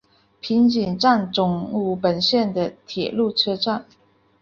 平井站总武本线的铁路车站。